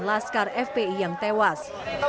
laskar fpi yang tewas